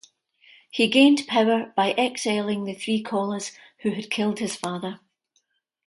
He gained power by exiling the three Collas, who had killed his father.